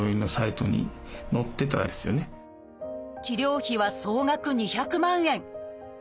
治療費は総額２００万円。